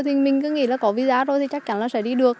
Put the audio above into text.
thì mình cứ nghĩ là có visa rồi thì chắc chắn là sẽ đi được